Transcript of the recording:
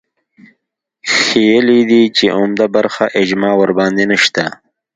ښييلي دي چې عمده برخه اجماع ورباندې نشته